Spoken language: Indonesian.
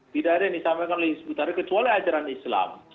tidak ada yang disampaikan oleh hizbut tahrir kecuali ajaran islam